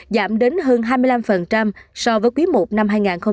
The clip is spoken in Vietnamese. giảm đến hơn hai mươi năm so với quý i năm hai nghìn hai mươi ba